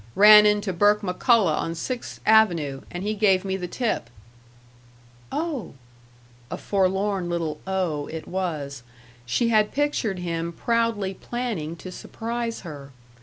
Ran into Burke McCullough on Sixth Avenue, and he gave me the tip." "Oh!" A forlorn little "Oh!" it was. She had pictured him proudly planning to surprise her.